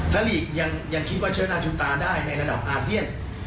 ถ้าลีกยังคิดว่าเชื้อนาชูตาได้ในระดับอาเซียน